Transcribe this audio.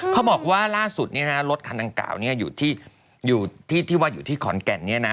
เขาบอกว่าร่าสุดรถคันตังกล่าวอยู่ที่ขอนแก่น